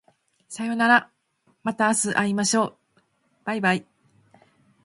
さようならまた明日会いましょう baibai